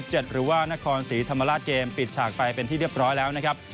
หรือว่านครศรีธรรมราชเกมปิดฉากไปเป็นที่เรียบร้อยแล้วนะครับ